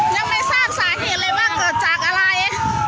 ยังไม่ทราบสาเหตุเลยว่าเกิดจากอะไร